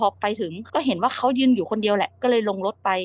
พอไปถึงก็เห็นว่าเขายืนอยู่คนเดียวแหละก็เลยลงรถไป